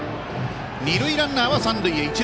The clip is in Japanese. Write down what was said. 二塁ランナーは三塁へ。